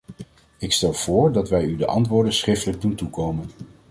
Ik stel voor dat wij u de antwoorden schriftelijk doen toekomen.